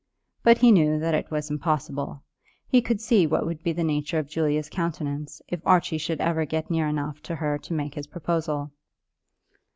But he knew that it was impossible. He could see what would be the nature of Julia's countenance if Archie should ever get near enough to her to make his proposal!